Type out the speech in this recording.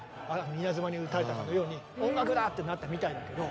稲妻に打たれたかのように「音楽だ！」ってなったみたいだけど。